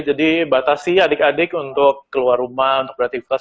jadi batasi adik adik untuk keluar rumah untuk berlatih kelas